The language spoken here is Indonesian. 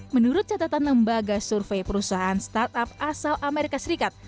menurut catatan lembaga survei perusahaan startup asal amerika serikat